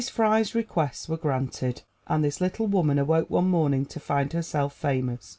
Fry's requests were granted, and this little woman awoke one morning to find herself famous.